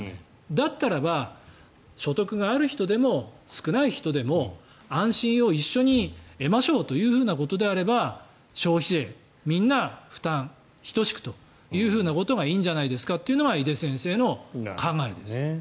だったらば、所得がある人でも少ない人でも安心を一緒に得ましょうということであれば消費税みんな負担等しくということがいいんじゃないですかというのが井手先生の考えです。